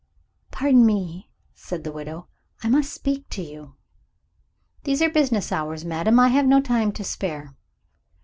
"Pardon me," said the widow, "I must speak to you." "These are business hours, madam; I have no time to spare."